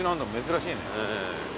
珍しいね。